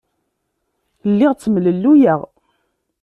Lliɣ ttemlelluyeɣ.